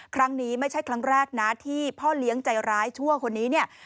ครั้งนี้ไม่ใช่ครั้งแรกนะที่พ่อเลี้ยงใจร้ายชั่วคนนี้เนี่ย